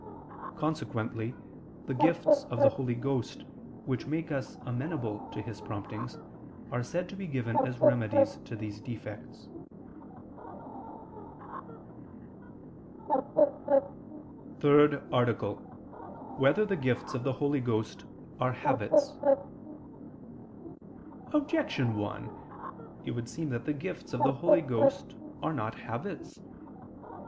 Consequently the gifts of the Holy Ghost, which make us amenable to His promptings, are said to be given as remedies to these defects. ________________________ THIRD ARTICLE [I II, Q. 68, Art. 3] Whether the Gifts of the Holy Ghost Are Habits? Objection 1: It would seem that the gifts of the Holy Ghost are not habits.